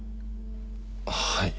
はい。